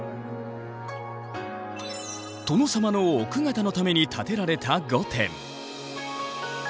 殿様の奥方のために建てられた御殿。